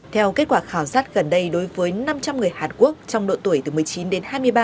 theo kết quả khảo sát gần đây đối với năm trăm linh người hàn quốc trong độ tuổi từ một mươi chín đến hai mươi ba